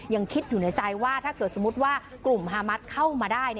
ยังคิดอยู่ในใจว่าถ้าเกิดสมมุติว่ากลุ่มฮามัสเข้ามาได้